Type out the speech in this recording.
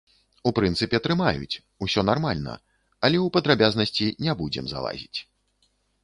У прынцыпе, трымаюць, усё нармальна, але ў падрабязнасці не будзем залазіць.